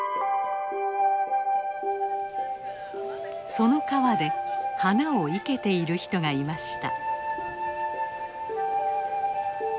その川で花を生けている人がいました。